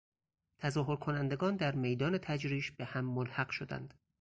تظاهرکنندگان در میدان تجریش به هم ملحق شدند.